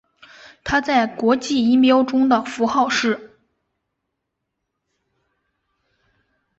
它在国际音标中的符号是。